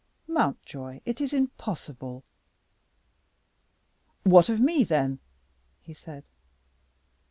Mountjoy, it is impossible." "What of me, then?" he said.